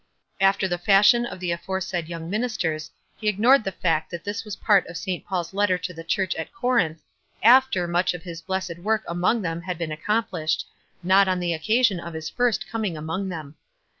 After the fashion of the aforesaid young ministers, he ignored the fact that this was part of St. Paul's letter to the church at Corinth, after much of his blessed work among them had been accomplished, not on the oeca ision of his first coming among them.